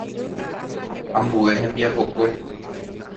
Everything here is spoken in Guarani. Ambue hembiapokue.